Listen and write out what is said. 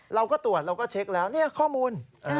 แล้วก็ตรวจแล้วก็เช็คแล้วนี่ข้อมูล